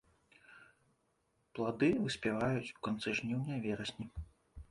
Плады выспяваюць у канцы жніўня-верасні.